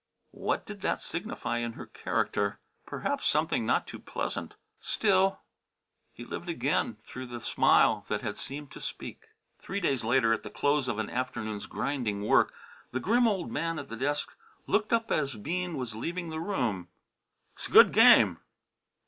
What did that signify in her character? Perhaps something not too pleasant. Still he lived again through the smile that had seemed to speak. Three days later, at the close of an afternoon's grinding work, the grim old man at the desk looked up as Bean was leaving the room. "S'good game!"